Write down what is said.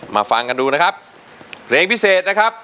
ฟังกันดูนะครับเพลงพิเศษนะครับ